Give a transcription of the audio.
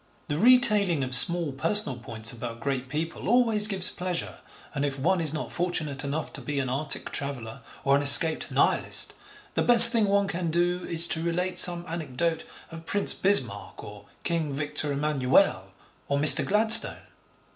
The retailing of small personal points about great people always gives pleasure, and if one is not fortunate enough to be an Arctic traveller or an escaped Nihilist, the best thing one can do is to relate some anecdote of 'Prince Bismarck, or King Victor Emmanuel, or Mr. Gladstone.'